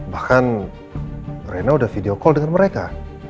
bahkan rena udah video call dengan mereka